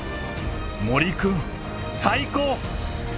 森君、最高！